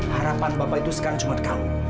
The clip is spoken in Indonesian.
harapan bapak itu sekarang cuma kamu